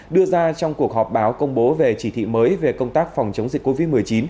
đưa ra trong cuộc họp báo công bố về chỉ thị mới về công tác phòng chống dịch covid một mươi chín